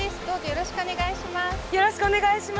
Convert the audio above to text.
よろしくお願いします。